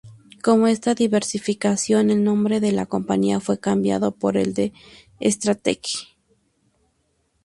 Con esta diversificación, el nombre de la compañía fue cambiado por el de Strategic.